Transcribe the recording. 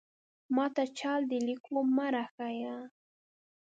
ماته چل د ليکلو مۀ راښايه!